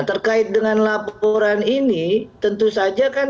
terkait dengan laporan ini tentu saja kan